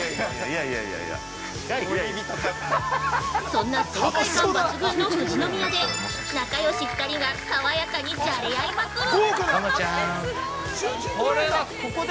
そんな爽快感抜群の富士宮で仲よし２人が爽やかにじゃれ合いまくる。